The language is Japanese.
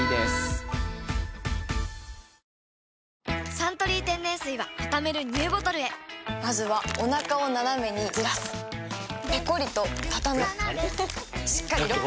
「サントリー天然水」はたためるＮＥＷボトルへまずはおなかをナナメにずらすペコリ！とたたむしっかりロック！